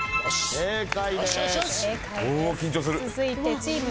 正解。